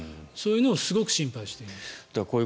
そういうのをすごく心配しています。